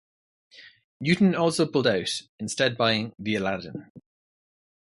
Newton also pulled out, instead buying The Aladdin.